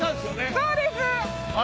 そうです！